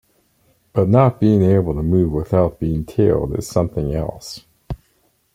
But not being able to move without being tailed is something else.